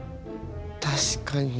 確かに。